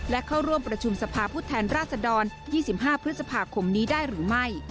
และเข้าร่วมประชุมสภาพผู้แทนราชดร๒๕พฤษภาคมนี้ได้หรือไม่